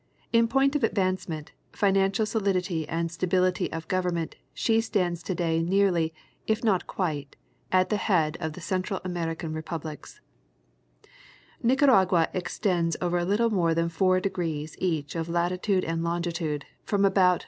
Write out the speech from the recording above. In point of advance ment, financial solidity and stability of government she stands to day nearly, if not quite, at the head of the Central American republics, Nicaragua extends over a little more than four degrees each of latitude and longitude, from about N.